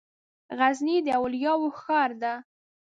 غزني د اولياوو ښار ده